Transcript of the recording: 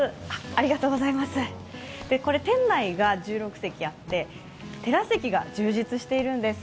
これ店内が１６席あってテラス席が充実しているんです。